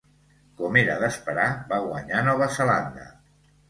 Com era d'esperar, va guanyar Nova Zelanda.